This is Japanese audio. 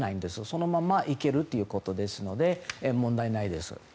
そのまま行けるということで問題ないです。